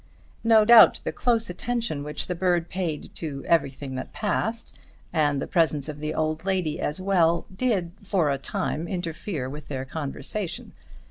No doubt the close attention which the bird paid to everything that passed, and the presence of the old lady as well, did for a time interfere with their conversation.